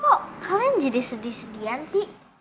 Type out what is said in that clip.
kok kalian jadi sedih sedihan sih